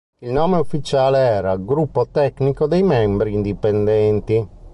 Il nome ufficiale era "Gruppo Tecnico dei membri Indipendenti".